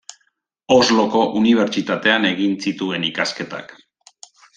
Osloko Unibertsitatean egin zituen ikasketak.